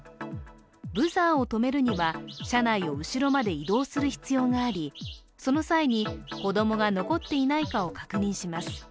ブザーを止めるには車内を後ろまで移動する必要がありその際に、子供が残っていないかを確認します。